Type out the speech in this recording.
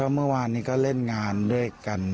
เมื่อวานนี้ก็เล่นงานด้วยกัน